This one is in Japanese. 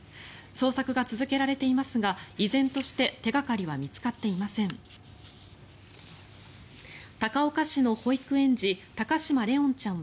捜索が続けられていますが依然として手掛かりは見つかっていません。